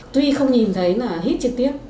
khi không nhìn thấy là hít trực tiếp